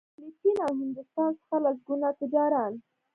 له چین او هندوستان څخه لسګونه تجاران